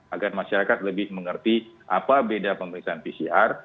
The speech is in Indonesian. agar masyarakat lebih mengerti apa beda pemeriksaan pcr